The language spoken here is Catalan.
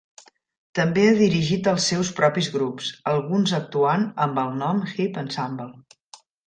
També ha dirigit els seus propis grups, alguns actuant amb el nom Hip Ensemble.